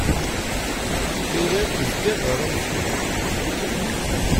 Tira tezga d aramsu.